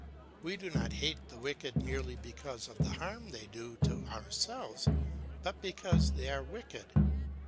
We do not hate the wicked merely because of the harm they do to ourselves, but because they are wicked.